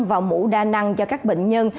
và mũ đa năng cho các bệnh nhân